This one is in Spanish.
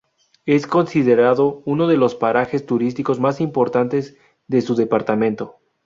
Es considerado uno de los parajes turísticos más importantes de su Departamento.